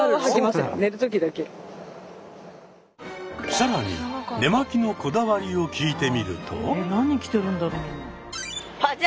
更に寝巻きのこだわりを聞いてみると。